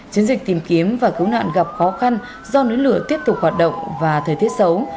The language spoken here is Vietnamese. chiến dịch tìm kiếm và cứu nạn gặp khó khăn do núi lửa tiếp tục hoạt động và thời tiết xấu